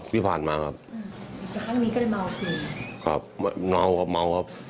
ครับเมาครับมเมาครับ